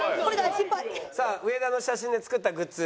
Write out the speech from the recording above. さあ植田の写真で作ったグッズ。